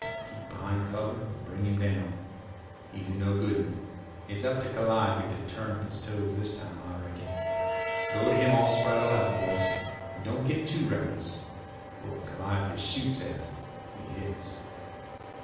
Keep behind cover and bring him down. He's a nogood 'un. It's up to Calliope to turn up his toes this time, I reckon. Go to him all spraddled out, boys. And don't git too reckless, for what Calliope shoots at he hits."